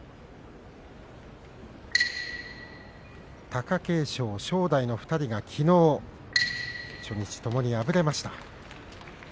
貴景勝、正代の２人が、きのうともに敗れました。